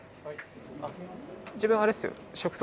自分あれっすよ食当。